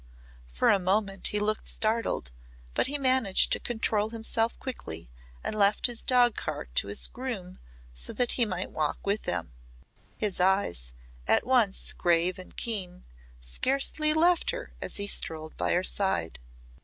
For a moment he looked startled but he managed to control himself quickly and left his dogcart to his groom so that he might walk with them. His eyes at once grave and keen scarcely left her as he strolled by her side.